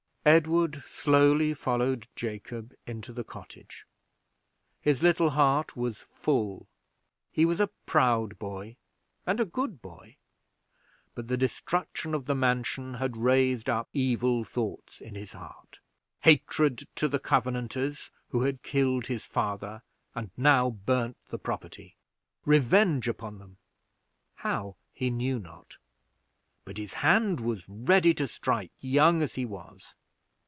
Edward slowly followed Jacob into the cottage. His little heart was full. He was a proud boy and a good boy, but the destruction of the mansion had raised up evil thoughts in his heart hatred to the Covenanters, who had killed his father and now burned the property revenge upon them (how he knew not); but his hand was ready to strike, young as he was.